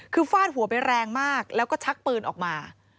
คือฟาดหัวไปแรงมากแล้วก็ชักปืนออกมา